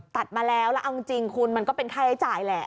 ตัดมาแล้วแล้วเอาจริงคุณมันก็เป็นค่าใช้จ่ายแหละ